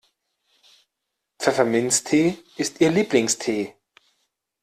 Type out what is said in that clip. Pfefferminztee ist ihr Lieblingstee.